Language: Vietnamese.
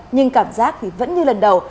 nhưng cảm giác vẫn như lần đầu